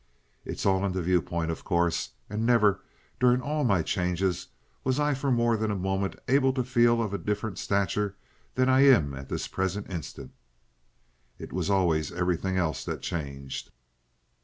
It is all in the viewpoint, of course, and never, during all my changes, was I for more than a moment able to feel of a different stature than I am at this present instant. It was always everything else that changed.